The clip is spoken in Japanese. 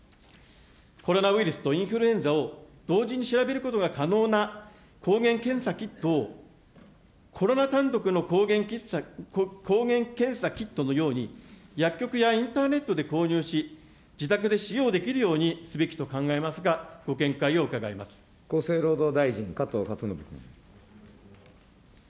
コロナウイルスとインフルエンザを同時に調べることが可能な抗原検査キットをコロナ単独の抗原検査キットのように、薬局やインターネットで購入し、自宅で使用できるようにすべきと考えますが、厚生労働大臣、加藤勝信君。